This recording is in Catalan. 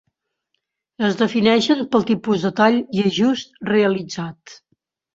Es defineixen pel tipus de tall i ajust realitzat.